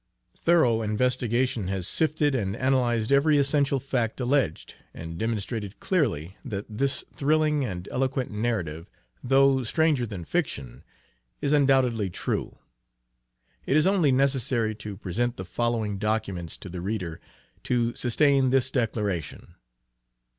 Thorough investigation has sifted and analysed every essential fact alleged, and demonstrated clearly that this thrilling and eloquent narrative, though stranger than fiction, is undoubtedly true. It is only necessary to present the following documents to the reader, to sustain this declaration.